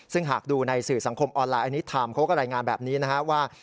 ซึ่งหากดูในสื่อสังคมออนไลน์อันนี้ไทม์เขาก็รายงานแบบนี้นะครับว่า